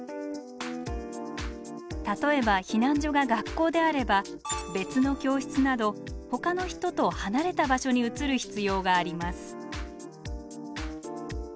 例えば避難所が学校であれば別の教室などほかの人と離れた場所に移る必要があります。